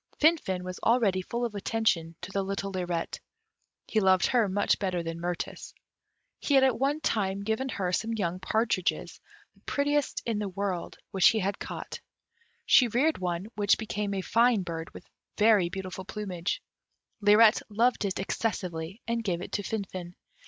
Finfin was already full of attention to the little Lirette; he loved her much better than Mirtis. He had at one time given her some young partridges, the prettiest in the world, which he had caught. She reared one, which became a fine bird, with very beautiful plumage; Lirette loved it excessively, and gave it to Finfin.